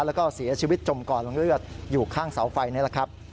แล้วก็เสียชีวิตจมกองลงเลือดอยู่ข้างเสาไฟนี่แหละครับ